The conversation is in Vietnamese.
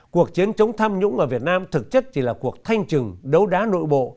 cuộc chiến chống tham nhũng ở việt nam thực chất chỉ là cuộc thanh trừng đấu đá nội bộ